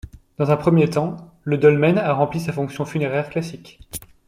Dans un premier temps, le dolmen a rempli sa fonction funéraire classique.